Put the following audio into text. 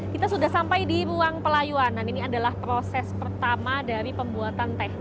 kita sudah sampai di ruang pelayuan ini adalah proses pertama dari pembuatan teh